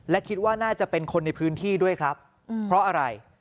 และคิดว่าน่าจะเป็นคนในพื้นที่ด้วยครับเพราะอะไร